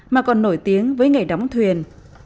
mà còn nổi tiếng với nghề đóng thuyền